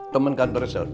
pemen kantor s o b